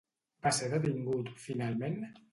Va ser detingut, finalment?